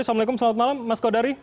assalamualaikum selamat malam mas kodari